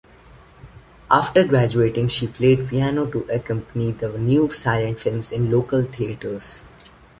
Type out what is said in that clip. After graduating, she played piano to accompany the new silent films in local theaters.